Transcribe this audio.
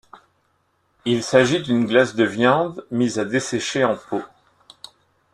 Il s'agit d'une glace de viande mise à dessécher en pots.